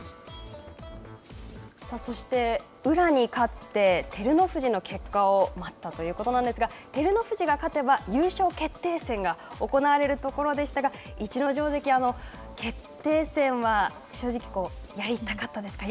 そして、宇良に勝って照ノ富士の結果を待ったということなんですが照ノ富士が勝てば優勝決定戦が行われるところでしたが逸ノ城関決定戦は、正直やりたかったですか？